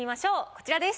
こちらです。